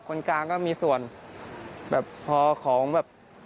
คนกลางก็มีส่วนแบบพอของแบบ